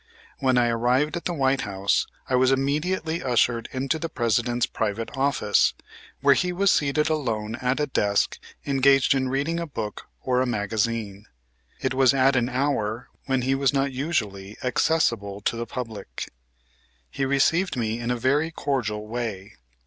When I arrived at the White House I was immediately ushered into the President's private office, where he was seated alone at a desk engaged in reading a book or a magazine. It was at an hour when he was not usually accessible to the public. He received me in a very cordial way.